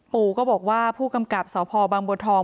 ปู่ก็บอกว่าผู้กำกับสพบังบัวทอง